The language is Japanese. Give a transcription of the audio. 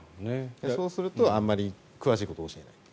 そうするとあまり詳しいことを教えないと。